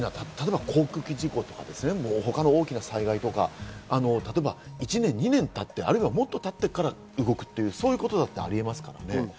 例えば大きな航空機事故とか、大きな災害とか、例えば１年２年経って、あるいはもっとたってから動く、そういうことだってありえます。